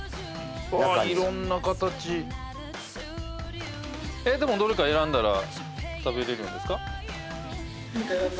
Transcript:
ああ色んな形でもどれか選んだら食べれるんですか？